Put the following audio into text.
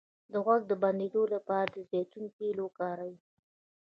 د غوږ د بندیدو لپاره د زیتون تېل وکاروئ